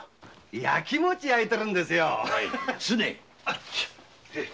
焼きモチやいてるんですよ。